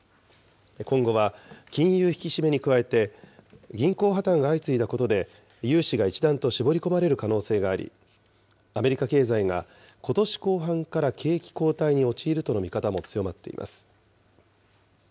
今後は金融引き締めに加えて、銀行破綻が相次いだことで融資が一段と絞り込まれる可能性があり、アメリカ経済がことし後半から景気後退に陥るとの見方も強まっています。